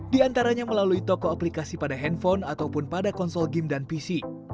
di antaranya melalui toko aplikasi pada handphone ataupun pada konsol game dan pc